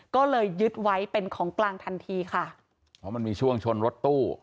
ก็เลยยึดไว้เป็นของกลางทันทีค่ะเพราะมันมีช่วงชนรถตู้